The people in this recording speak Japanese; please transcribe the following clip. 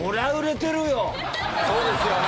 そうですよね。